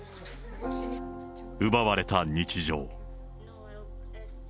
奪われた日常。